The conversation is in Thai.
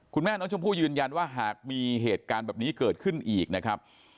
คุณแม่น้องชมพู่ยืนยันว่าหากมีเหตุการณ์แบบนี้เกิดขึ้นอีกนะครับ